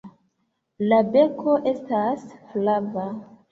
La beko estas flava.